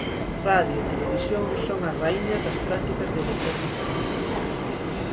Radio e televisión son as raíñas das prácticas de lecer no fogar.